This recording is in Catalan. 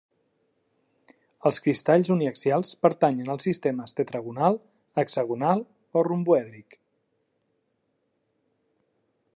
Els cristalls uniaxials pertanyen als sistemes tetragonal, hexagonal o romboèdric.